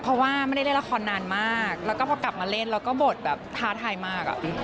เพราะว่าไม่ได้เล่นละครนานมากแล้วก็พอกลับมาเล่นแล้วก็บทแบบท้าทายมาก